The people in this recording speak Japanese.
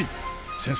先生